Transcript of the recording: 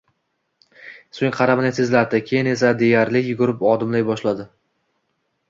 Soʻng qadamini tezlatdi, keyin esa deyarli yugurib odimlay boshladi